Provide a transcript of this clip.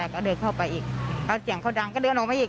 ก็เดินเข้าไปอีกแล้วเสียงเขาดังก็เดินออกมาอีก